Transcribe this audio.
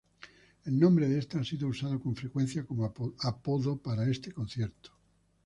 El nombre de esta ha sido usado con frecuencia como apodo para este concierto.